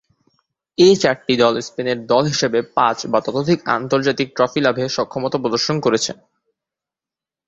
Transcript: এ চারটি দল স্পেনের দল হিসেবে পাঁচ বা ততোধিক আন্তর্জাতিক ট্রফি লাভে সক্ষমতা প্রদর্শন করেছে।